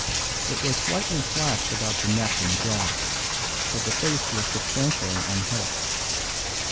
It was slightly slashed about the neck and jaw, but the face was substantially unhurt.